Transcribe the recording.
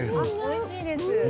おいしいです。